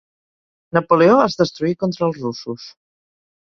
Napoleó es destruí contra els russos.